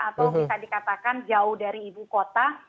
atau bisa dikatakan jauh dari ibu kota